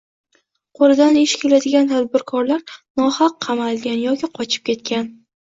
“Qo‘lidan ish keladigan tadbirkorlar nohaq qamalgan yoki qochib ketgan”